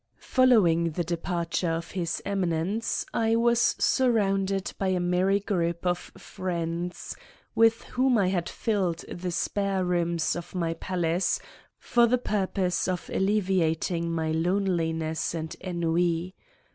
Following the departure of His Eminence I was surrounded by a merry group of friends, with whom I had filled the spare rooms of my palace for the purpose of alleviating my loneli ness and ennui.